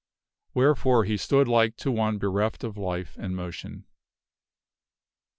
Wherefore he stood like to one bereft of life and motion.